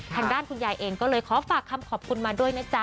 ทางด้านคุณยายเองก็เลยขอฝากคำขอบคุณมาด้วยนะจ๊ะ